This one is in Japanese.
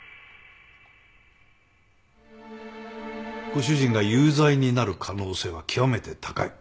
ご主人が有罪になる可能性は極めて高い。